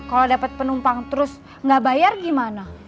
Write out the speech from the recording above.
kalau dapet penumpang terus gak bayar gimana